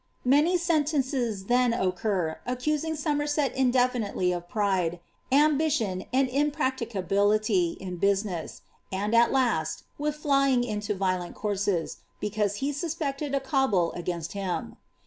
Many sentences then occur, accusing Somertei indefinitely of pnki nmbition, and impracticability in business, and at last, with flying into Tiolent courses, because he suspected a cabal aiminst him.